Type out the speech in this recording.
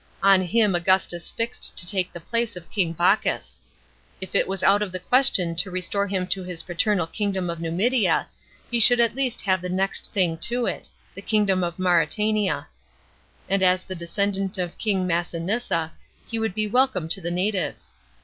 On him Augustus fixed to take the place of king Bocchus. If it was out 01 the question to restore him to his paternal kingdom of Numidia, he should at least have the next thing to it, the kingdom of Mauretania ; and as the descendant of king Massinissa, he would be welcome to the natives.